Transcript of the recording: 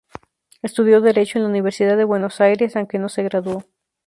Estudió derecho en la Universidad de Buenos Aires, aunque no se graduó.